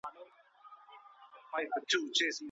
که مور او پلار مرسته وکړي نو ماشوم پرمختګ کوي.